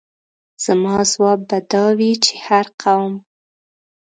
زما ځواب به دا وي چې هر قوم.